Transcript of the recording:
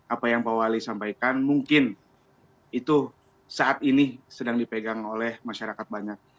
apa yang pak wali sampaikan mungkin itu saat ini sedang dipegang oleh masyarakat banyak